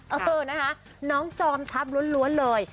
เออนะคะน้องจอมทัพล้วนเลย